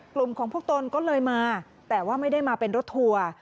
กลุ่มของพวกตนก็เลยมาแต่ว่าไม่ได้มาเป็นรถทัวร์